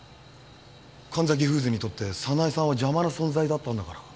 神崎フーズにとって早苗さんは邪魔な存在だったんだから。